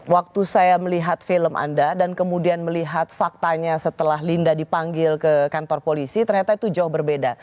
waktu saya melihat film anda dan kemudian melihat faktanya setelah linda dipanggil ke kantor polisi ternyata itu jauh berbeda